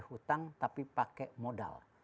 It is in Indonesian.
hutang tapi pakai modal